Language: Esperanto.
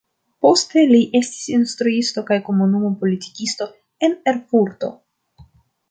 Poste li estis instruisto kaj komunuma politikisto en Erfurto.